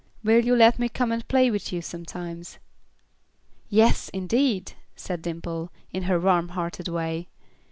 Will you let me come and play with you sometimes?" "Yes, indeed," said Dimple, in her warm hearted way.